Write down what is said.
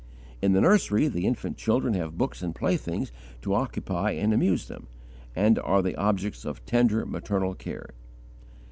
In the nursery, the infant children have books and playthings to occupy and amuse them, and are the objects of tender maternal care.